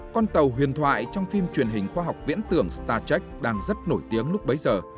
con tàu huyền thoại trong phim truyền hình khoa học viễn tưởng startex đang rất nổi tiếng lúc bấy giờ